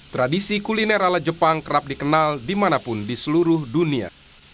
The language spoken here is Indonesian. tradisi kuliner ala jepang kerap dikenal dimanapun di seluruh dunia